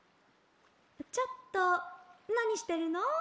「ちょっとなにしてるの？